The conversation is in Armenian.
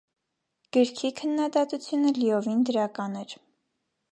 Գրքի քննադատությունը լիովին դրական էր։